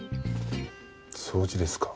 掃除ですか。